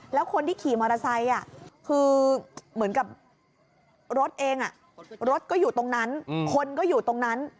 แล้วคนที่ขี่มอเตอร์ไซค์คือเหมือนกับรถเองรถก็อยู่ตรงนั้นคนก็อยู่ตรงนั้น